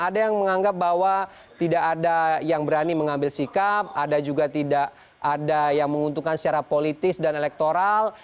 ada yang menganggap bahwa tidak ada yang berani mengambil sikap ada juga tidak ada yang menguntungkan secara politis dan elektoral